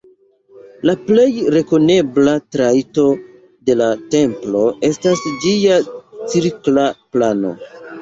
La plej rekonebla trajto de la templo estas ĝia cirkla plano.